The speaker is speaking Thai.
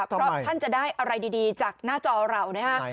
เพราะท่านจะได้อะไรดีจากหน้าจอเรานะฮะ